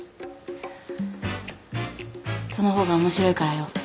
その方が面白いからよ